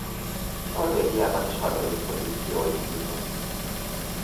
Norvégiában is hatodik pozícióig jutott.